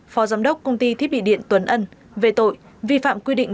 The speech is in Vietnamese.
phó giám đốc công ty thiết bị điện tuấn ân về tội vi phạm quy định